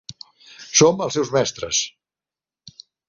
Som els seus mestres!